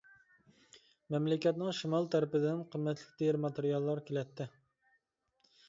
مەملىكەتنىڭ شىمال تەرىپىدىن قىممەتلىك تېرە ماتېرىياللار كېلەتتى.